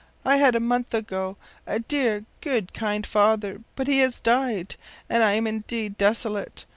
“I had a month ago a dear, good, kind father, but he has died, and I am indeed desolate.